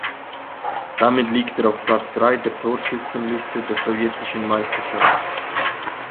Damit liegt er auf Platz drei der Torschützenliste der sowjetischen Meisterschaft.